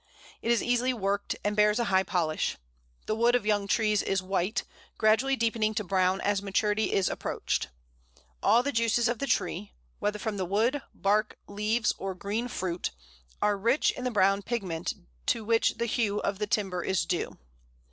It is easily worked, and bears a high polish. The wood of young trees is white, gradually deepening to brown as maturity is approached. All the juices of the tree, whether from wood, bark, leaves, or green fruit, are rich in the brown pigment to which the hue of the timber is due.